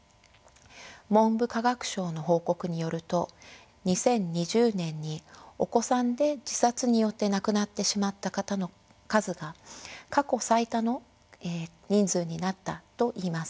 文部科学省の報告によると２０２０年にお子さんで自殺によって亡くなってしまった方の数が過去最多の人数になったといいます。